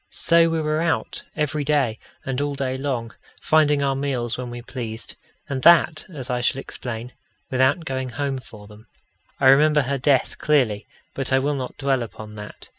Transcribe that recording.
So we were out every day and all day long, finding our meals when we pleased, and that, as I shall explain, without going home for them. I remember her death clearly, but I will not dwell upon that.